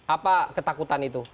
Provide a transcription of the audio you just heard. apa ketakutan itu